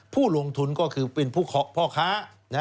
ผู้ลงทุนก็คือเป็นพ่อค้า